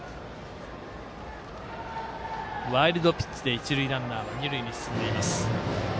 ワイルドピッチで一塁ランナーが二塁に進んでいます。